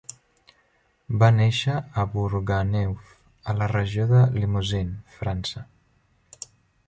Va néixer a Bourganeuf, a la regió de Limousin, França.